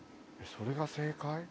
それが正解？